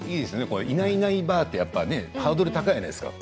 いないいないばあってハードル高いじゃないですか。